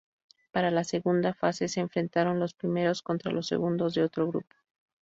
Para la segunda fase se enfrentaron los primeros contra los segundos de grupo.